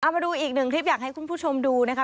มาดูอีกหนึ่งคลิปอยากให้คุณผู้ชมดูนะคะ